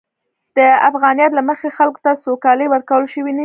د افغانیت له مخې، خلکو ته سوکالي ورکول شوې نه ده.